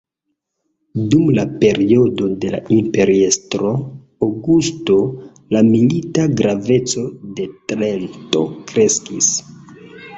Dum la periodo de la imperiestro Augusto, la milita graveco de Trento kreskis.